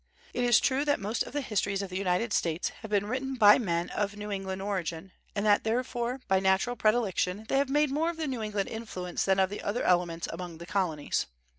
It is true that most of the histories of the United States have been written by men of New England origin, and that therefore by natural predilection they have made more of the New England influence than of the other elements among the Colonies.